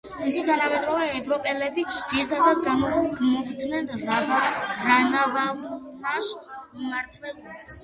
მისი თანამედროვე ევროპელები ძირითადად გმობდნენ რანავალუნას მმართველობას.